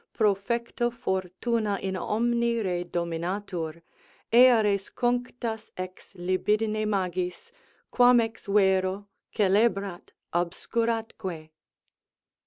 "Profecto fortuna in omni re dominatur: ea res cunctas ex libidine magis, quhm ex vero, celebrat, obscuratque."